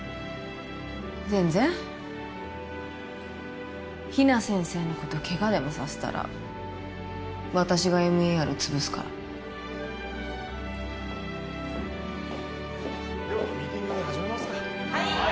全然比奈先生のことケガでもさせたら私がＭＥＲをつぶすからではミーティング始めますかはい！